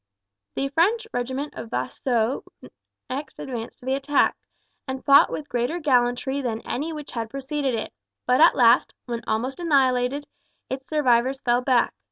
The French regiment of Vaisseaux next advanced to the attack, and fought with greater gallantry than any which had preceded it; but at last, when almost annihilated, its survivors fell back.